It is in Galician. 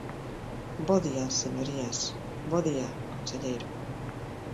Bo día, señorías; bo día, conselleiro.